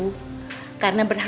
ibu memilihmu menjadi menantu